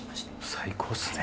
最高っすね。